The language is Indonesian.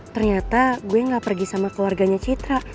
ternyata gue gak pergi sama keluarganya citra